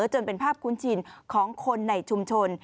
จนเป็นภาพคุ้นชินของคนในชุมชน